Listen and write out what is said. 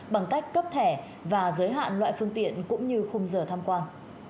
bằng cách cấp thẻ và giới hạn loại phương tiện cũng như khung giờ tham quan